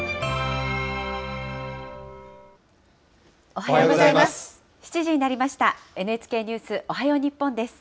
おはようございます。